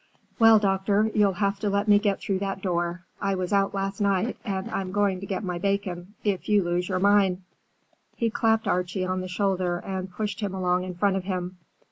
Well, doctor, you'll have to let me get through that door. I was out last night, and I'm going to get my bacon, if you lose your mine." He clapped Archie on the shoulder and pushed him along in front of him.